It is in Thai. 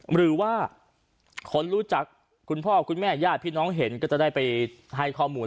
หรือว่าคนรู้จักคุณพ่อคุณแม่ญาติพี่น้องเห็นก็จะได้ไปให้ข้อมูล